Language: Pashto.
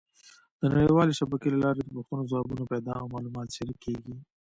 د نړیوالې شبکې له لارې د پوښتنو ځوابونه پیدا او معلومات شریکېږي.